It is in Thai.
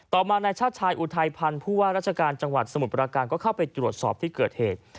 ต่อมานายชาติชายอุทัยพันธ์ผู้ว่าราชการจังหวัดสมุทรประการก็เข้าไปตรวจสอบที่เกิดเหตุ